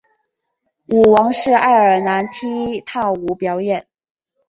舞王是爱尔兰踢踏舞表演。